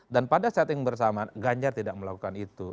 dan pada setting bersama ganjar tidak melakukan itu